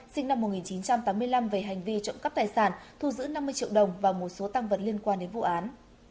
sinh năm một nghìn chín trăm tám mươi năm về hành vi trộm cắp tài sản thu giữ năm mươi triệu đồng và một số tăng vật liên quan đến vụ án